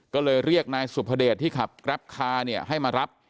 ก็เลยเรียกนายสุภเดชที่ขับแกรปคาร์เนี่ยให้มารับ